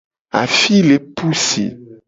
Afi le pu si.